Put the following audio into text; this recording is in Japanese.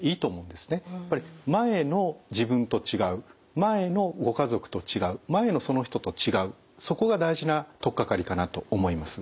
やっぱり前の自分と違う前のご家族と違う前のその人と違うそこが大事な取っかかりかなと思います。